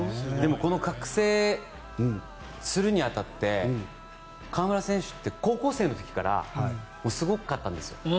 この覚醒するに当たって河村選手って高校生の時からすごかったんですよ。